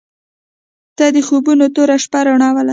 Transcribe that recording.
• ته د خوبونو توره شپه روڼولې.